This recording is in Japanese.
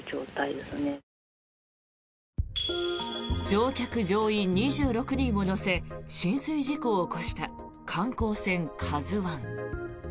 乗客・乗員２６人を乗せ浸水事故を起こした観光船「ＫＡＺＵ１」。